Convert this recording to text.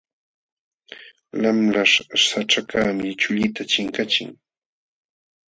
Lamlaśh saćhakaqmi chullita chinkachin.